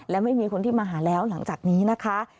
และไม่มีคนที่มาหาแล้วหลังจากนี้นะคะ